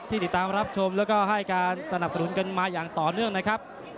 ติดตามรับชมแล้วก็ให้การสนับสนุนกันมาอย่างต่อเนื่องนะครับ